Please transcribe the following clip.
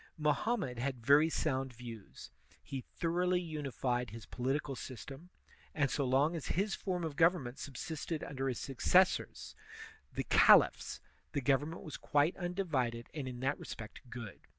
Mohammed had very sotmd views; he thor oughly unified his political system; and so long as his form of government subsisted under his successors, the caliphs, the government was quite undivided and in that respect good.